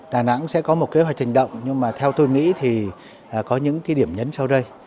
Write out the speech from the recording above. đà nẵng sẽ có một kế hoạch hành động nhưng mà theo tôi nghĩ thì có những cái điểm nhấn sau đây